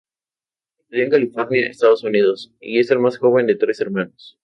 Estudió en California, Estados Unidos y es el más joven de tres hermanos.